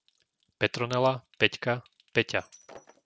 Petronela, Peťka, Peťa